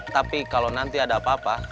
tapi kalau nanti ada apa apa